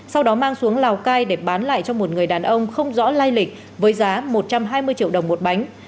sau đó mang xuống lào cai để bán lại cho một người đàn ông không rõ lai lịch với giá một trăm hai mươi triệu đồng một bánh